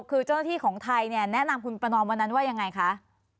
คือเจ้าหน้าที่ของไทยเนี่ยแนะนำคุณประนอมวันนั้นว่ายังไงคะ